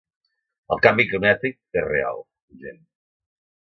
El canvi climàtic és real, gent.